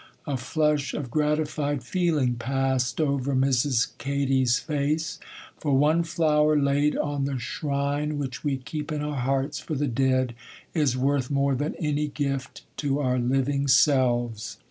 A flush of gratified feeling passed over Mrs. Katy's face;—for one flower laid on the shrine which we keep in our hearts for the dead is worth more than any gift to our living selves.